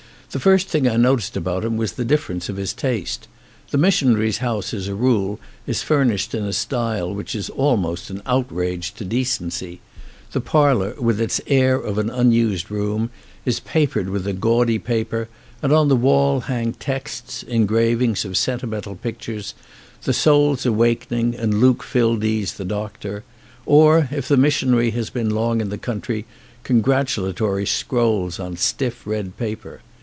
The first thing I noticed about him was the difference of his taste. The missionary's house as a rule is furnished in a style which is almost an outrage to decency. The parlour, with its air of an un used room, is papered with a gaudy paper, and on the wall hang texts, engravings of sentimental pictures — The Soul's Awakening and Luke Filde's The Doctor — or, if the missionary has been long in the country, congratulatory scrolls on stiff red paper.